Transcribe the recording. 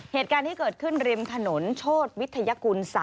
เหตุการณ์ที่เกิดขึ้นริมถนนโชธวิทยากุล๓